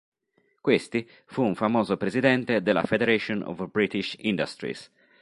Questi fu un famoso presidente della Federation of British Industries.